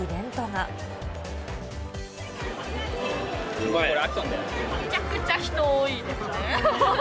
めちゃくちゃ人多いですね。